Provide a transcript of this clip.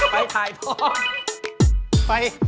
ไปถ่ายตอบ